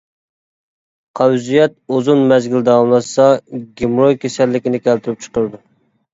قەۋزىيەت ئۇزۇن مەزگىل داۋاملاشسا، گېموروي كېسەللىكىنى كەلتۈرۈپ چىقىرىدۇ.